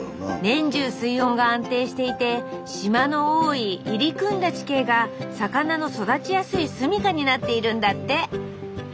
年中水温が安定していて島の多い入り組んだ地形が魚の育ちやすい住みかになっているんだって。